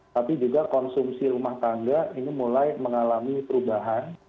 tapi juga konsumsi rumah tangga ini mulai mengalami perubahan